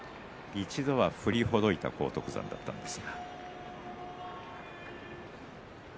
一度は振りほどいた荒篤山だったんですが。